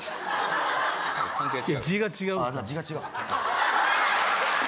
あ字が違う。